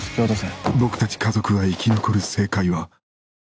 僕たち家族が生き残る正解は。